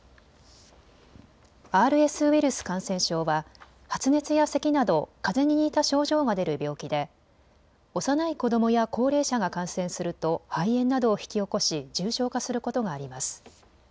ＲＳウイルス感染症は発熱やせきなどかぜに似た症状が出る病気で幼い子どもや高齢者が感染すると肺炎などを引き起こし重症化することがあります。